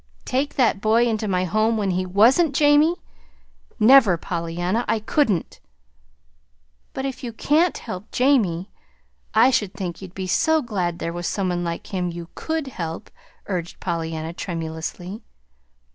"Take that boy into my home when he WASN'T Jamie? Never, Pollyanna! I couldn't." "But if you CAN'T help Jamie, I should think you'd be so glad there was some one like him you COULD help," urged Pollyanna, tremulously.